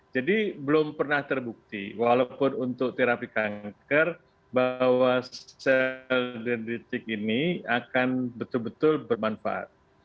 jadi belum pernah terbukti walaupun untuk terapi kanker bahwa sel dendritik ini akan betul betul bermanfaat